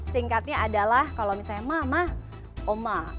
singkatnya adalah kalau misalnya mama oma